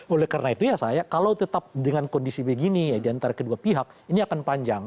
oleh karena itu ya saya kalau tetap dengan kondisi begini ya diantara kedua pihak ini akan panjang